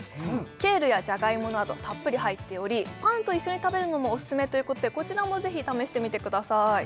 ケールやじゃがいもなどたっぷり入っておりパンと一緒に食べるのもオススメということでこちらもぜひ試してみてください